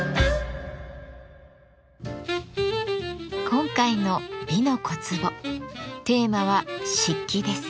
今回の「美の小壺」テーマは「漆器」です。